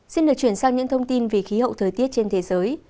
xin được chuyển sang những thông tin về khí hậu thời tiết trên thế giới